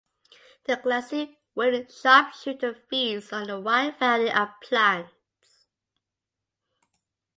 The glassy-winged sharpshooter feeds on a wide variety of plants.